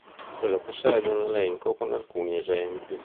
Quello che segue è un elenco con alcuni esempi.